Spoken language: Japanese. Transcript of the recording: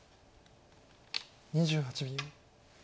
２８秒。